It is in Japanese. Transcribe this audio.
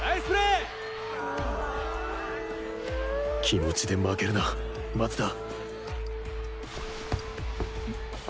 気持ちで負けるな松田